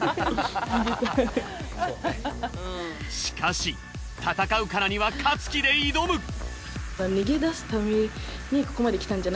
しかし戦うからには勝つ気で挑む。